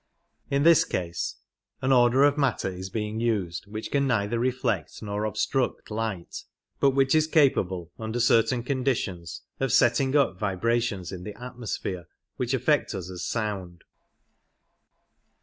In this case, an order of matter is being used which can neither reflect nor obstruct light, but which is capable under certain conditions of set ting up vibrations in the atmosphere which affect us as sound.